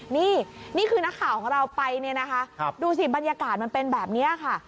นี่นี่คือนักข่าวของเราไปเนี่ยนะคะดูสิบรรยากาศมันเป็นแบบนี้ค่ะ